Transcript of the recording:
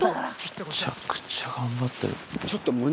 めちゃくちゃ頑張ってる。